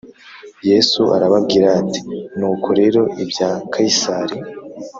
Yesu arababwira ati Nuko rero ibya Kayisari